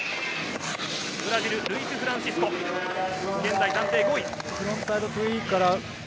ブラジル、ルイス・フランシスコ。現在暫定５位。